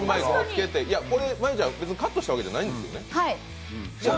これ、別にカットしたわけじゃないんですよね。